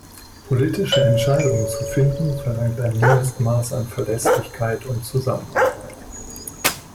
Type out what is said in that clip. Politische Entscheidungen zu finden, verlangt ein Mindestmaß an Verlässlichkeit und Zusammenarbeit.